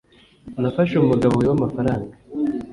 nafashe umugabo wiba amafaranga